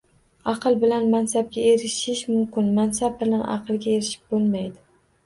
Aql bilan mansabga erishishish mumkin. Mansab bilan aqlga erishib bo’lmaydi.